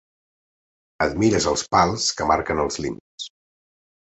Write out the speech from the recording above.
Et mires els pals que marquen els límits.